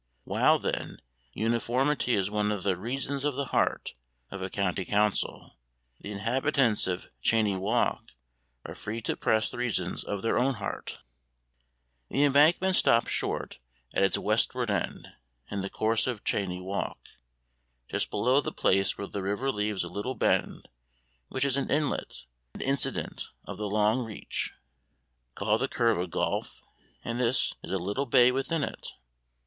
While, then, uniformity is one of the 'reasons of the heart' of a County Council, the inhabitants of Cheyne Walk are free to press reasons of their own hearts. The Embankment stops short at its westward end, in the course of Cheyne Walk, just below the place where the river leaves a little bend which is an inlet, an incident, of the long Reach. Call the curve a gulf, and this is a little bay within it.